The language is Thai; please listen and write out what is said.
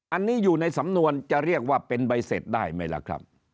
อันนี้อยู่ในสำนวนจะเรียกว่าเป็นใบเสร็จได้ไหมล่ะครับ